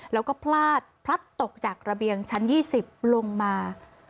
แล้วก็พลาดพลัดตกจากระเบียงชั้น๒๐ลงมา